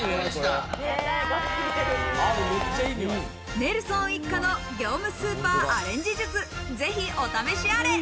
ネルソン一家の業務スーパーアレンジ術、ぜひお試しあれ！